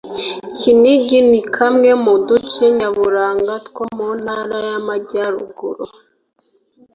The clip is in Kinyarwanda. Kinigi ni kamwe mu duce nyaburanga two mu Ntara y’Amajyaruguru